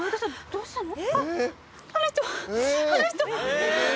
どうしたの？